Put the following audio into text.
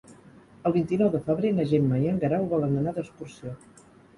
El vint-i-nou de febrer na Gemma i en Guerau volen anar d'excursió.